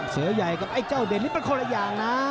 เสือใหญ่กับไอ้เจ้าเด่นนี่เป็นคนละอย่างนะ